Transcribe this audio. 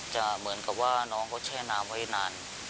เหมือนกับว่าน้องเขาแช่น้ำไว้นาน